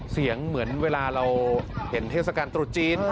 เสียงเหมือนเวลาเราเห็นเทศกาลตรุษจีน